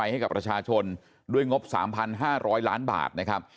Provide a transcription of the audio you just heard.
ให้กับประชาชนด้วยงบ๓๕๐๐ล้านบาทนะครับ